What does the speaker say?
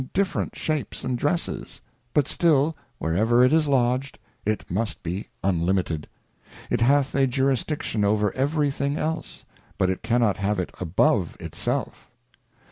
119 different shapes and dresses, but still where ever it is lodged, it must be unlimited : It hath a jurisdiction over every thing else, but it cannot have it above it self.